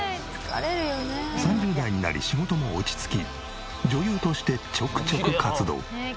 ３０代になり仕事も落ち着き女優としてちょくちょく活動。